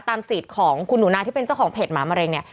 สิทธิ์ของคุณหนูนาที่เป็นเจ้าของเพจหมามะเร็งเนี่ย